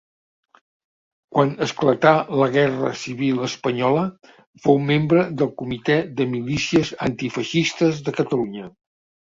Quan esclatà la Guerra civil espanyola fou membre del Comitè de Milícies Antifeixistes de Catalunya.